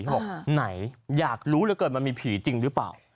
บอกไหนอยากรู้เหลือเกินมันมีผีจริงหรือเปล่า